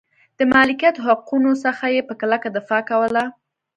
د مالکیت حقونو څخه یې په کلکه دفاع کوله.